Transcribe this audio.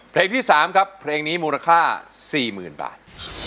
เพลงที่สามครับเพลงนี้มูลค่าสี่หมื่นบาท